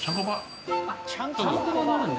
ちゃんこ場があるんだ。